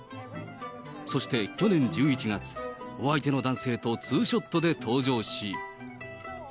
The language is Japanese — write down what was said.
そして去年１１月、お相手の男性とツーショットで登場し。